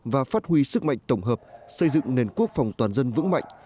và phát huy sức mạnh tổng hợp xây dựng nền quốc phòng toàn dân vững mạnh